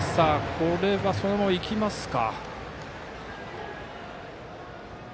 これは、権田がそのまま行きますか。